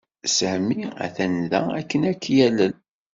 Sami atan da akken ad k-yalel.